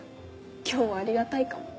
今日はありがたいかも。